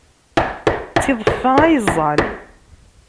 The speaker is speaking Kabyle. D tiḍeffa ay ẓẓan.